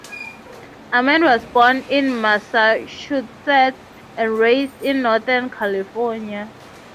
Amend was born in Massachusetts and raised in Northern California.